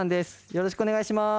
よろしくお願いします。